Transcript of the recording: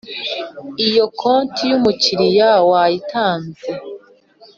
Iyo konti y’umukiriya wayitanze